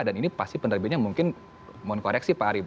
dan ini pasti penerbitnya mungkin mohon koreksi pak ari